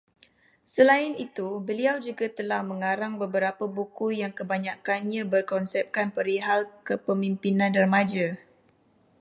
Selain itu, beliau juga telah mengarang beberapa buku yang kebanyakkannya berkonsepkan perihal kepemimpinan remaja